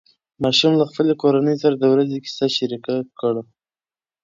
ماشوم له خپلې کورنۍ سره د ورځې کیسه شریکه کړه